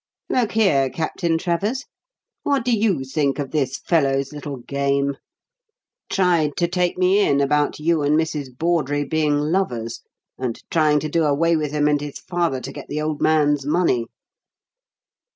Look here, Captain Travers: what do you think of this fellow's little game? Tried to take me in about you and Mrs. Bawdrey being lovers, and trying to do away with him and his father to get the old man's money."